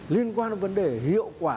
liên quan đến vấn đề hiệu quả